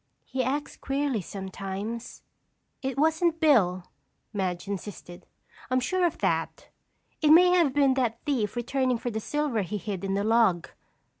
"He acts queerly sometimes." "It wasn't Bill," Madge insisted. "I'm sure of that. It may have been that thief returning for the silver he hid in the log."